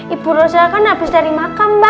ibu rosa kan habis dari makam mbak